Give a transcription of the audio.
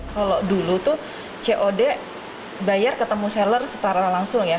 kalau dulu tuh cod bayar ketemu seller setara langsung ya